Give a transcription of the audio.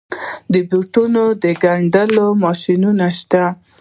د بوټانو ګنډلو ماشینونه شته